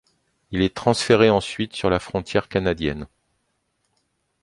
Il est transféré ensuite sur la frontière canadienne.